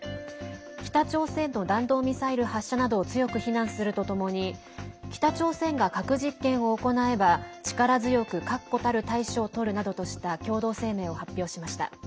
北朝鮮の弾道ミサイル発射などを強く非難するとともに北朝鮮が核実験を行えば、力強く確固たる対処をとるなどとした共同声明を発表しました。